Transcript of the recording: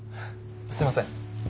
すいません。